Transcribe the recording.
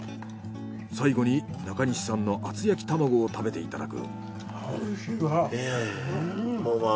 最後に中西さんの厚焼き玉子を食べていただく。